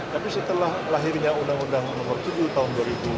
tapi setelah lahirnya undang undang no tujuh tahun dua ribu tujuh belas